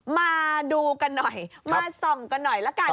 มาดูกันหน่อยมาส่องกันหน่อยละกัน